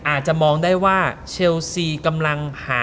อาจจะมองได้ว่าเชลซีกำลังหา